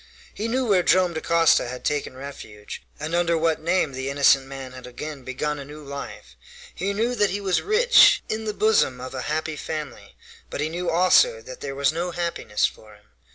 He knew where Joam Dacosta had taken refuge, and under what name the innocent man had again begun a new life. He knew that he was rich, in the bosom of a happy family, but he knew also that there was no happiness for him.